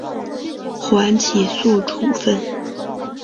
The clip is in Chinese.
缓起诉处分。